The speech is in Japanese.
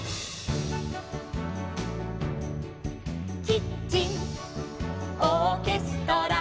「キッチンオーケストラ」